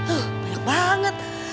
oh banyak banget